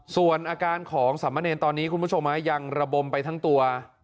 ส่วนอาการของสามเณรตอนนี้คุณผู้ชมยังระบมไปทั้งตัว